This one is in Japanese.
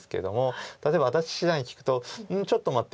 例えば安達七段に聞くと「うんちょっと待って。